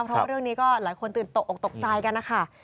เพราะว่าเรื่องนี้ก็หลายคนตื่นตกออกตกใจกันนะคะ